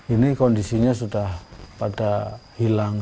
ini kondisinya sudah pada hilang